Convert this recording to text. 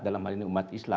dalam hal ini umatnya